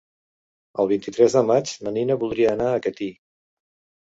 El vint-i-tres de maig na Nina voldria anar a Catí.